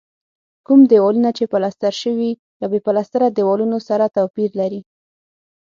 کوم دېوالونه چې پلستر شوي له بې پلستره دیوالونو سره توپیر لري.